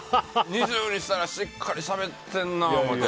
２０にしたらしっかりされてるな思って。